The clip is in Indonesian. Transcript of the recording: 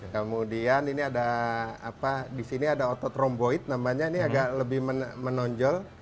kemudian ini ada apa di sini ada otot romboid namanya ini agak lebih menonjol